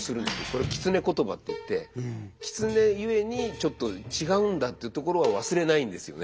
これ狐言葉って言って狐ゆえにちょっと違うんだっていうところは忘れないんですよね